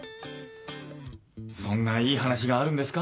そんないい話があるんですか？